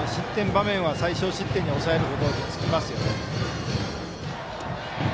場面は最少失点に抑えることに尽きますよね。